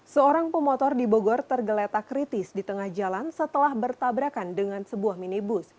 seorang pemotor di bogor tergeletak kritis di tengah jalan setelah bertabrakan dengan sebuah minibus